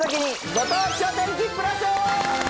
ご当地お天気プラス。